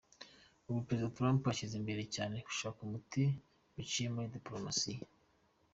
Ubu Perezida Trump ashyize imbere cyane gushaka umuti biciye muri Dipolomasiya.